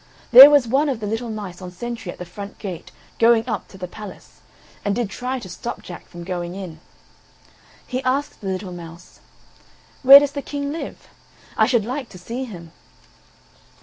There was one of the little mice on sentry at the front gate going up to the palace, and did try to stop Jack from going in. He asked the little mouse: "Where does the King live? I should like to see him."